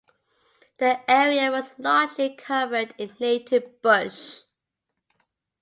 The area was largely covered in native bush.